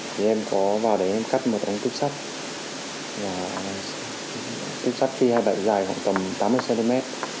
thì em có vào đấy em cắt một ánh túp sắt túp sắt khi hai bệnh dài khoảng tầm tám mươi cm